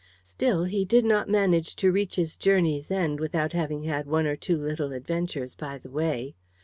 Still, he did not manage to reach his journey's end without having had one or two little adventures by the way.